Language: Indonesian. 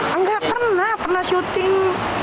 tidak pernah pernah syuting